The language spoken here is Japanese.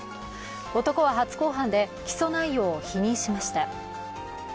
男は初公判で起訴内容を否認しました。